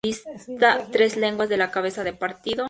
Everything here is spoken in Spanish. Dista tres leguas de la cabeza de partido"".